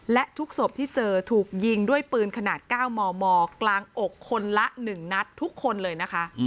และทุกศพที่เจอถูกยิงด้วยปืนขนาด๙มมกลางอกคนละ๑นัดทุกคนเลยนะคะ